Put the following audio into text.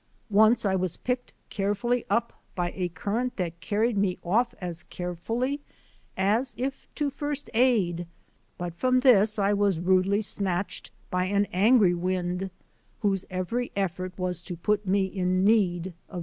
Once I was picked carefully up by a current that carried me off as carefully as if to first aid; but from this I was rudely snatched by an angry wind, whose every effort was to put me in need of this aid.